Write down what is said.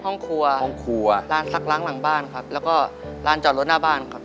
ห้องครัวห้องครัวร้านซักล้างหลังบ้านครับแล้วก็ร้านจอดรถหน้าบ้านครับ